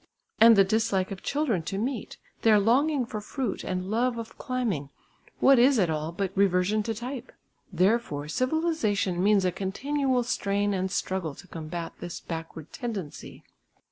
And the dislike of children to meat, their longing for fruit and love of climbing, what is it all but "reversion to type?" Therefore civilisation means a continual strain and struggle to combat this backward tendency.